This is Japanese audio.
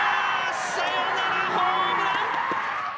サヨナラホームラン。